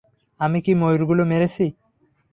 আমি কী ময়ূরগুলো মেরেছি?